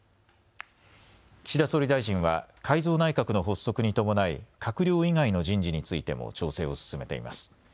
岸田総理大臣は改造内閣の発足に伴い閣僚以外の人事についても調整を進めています。